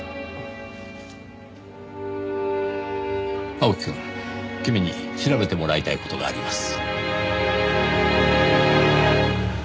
青木くん君に調べてもらいたい事があります。